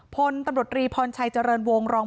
พนธ์ตำรดรีพรชัยเจริญวงรอง